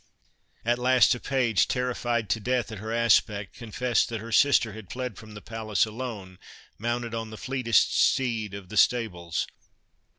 At last a page, terrified to death at her aspect, confessed that her sister had fled from the palace alone, mounted on the fleetest steed of the stables.